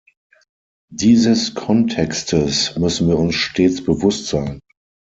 Dieses Kontextes müssen wir uns stets bewusst sein.